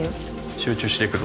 集中していくぞ